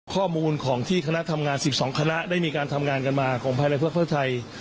ข้อมูลของที่คณะทำงาน๑๒คณะได้มีการทำงานกันมาของภายในเพื่อไทย